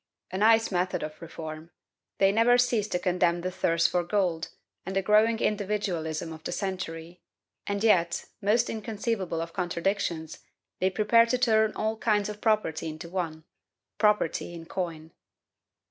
A nice method of reform! They never cease to condemn the thirst for gold, and the growing individualism of the century; and yet, most inconceivable of contradictions, they prepare to turn all kinds of property into one, property in coin.